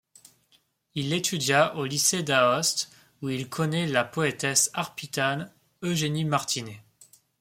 Il étudia au Lycée d'Aoste où il connaît la poétesse arpitane Eugénie Martinet.